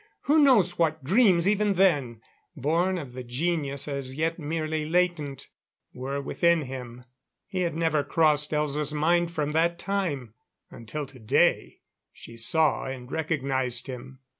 Who knows what dreams even then born of the genius as yet merely latent were within him? He had never crossed Elza's mind from that time, until today she saw and recognized him.